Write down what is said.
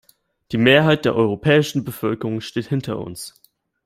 Die Mehrheit der europäischen Bevölkerung steht hinter uns.